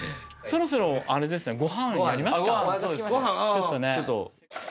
ちょっと。